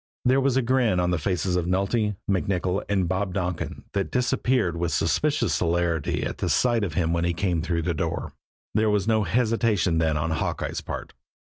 There was a grin on the faces of Nulty, MacNicoll and Bob Donkin that disappeared with suspicious celerity at sight of him as he came through the door. There was no hesitation then on Hawkeye's part.